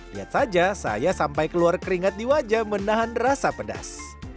lihat saja saya sampai keluar keringat di wajah menahan rasa pedas